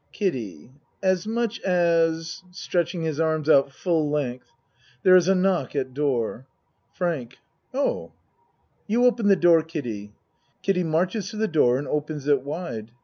KIDDIE As much as (Stretching his arms out full length. There is a knock at door.) FRANK Oh FRANK You open the door, Kiddie. (Kiddie marches to the door and opens it wide.